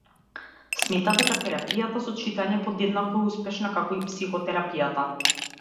Смета дека терапијата со читање подеднакво е успешна како и психотерапијата.